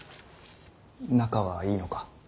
仲はいいのか。